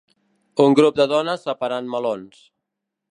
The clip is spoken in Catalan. Un grup de dones separant melons.